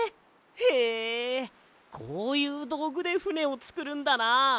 へえこういうどうぐでふねをつくるんだな。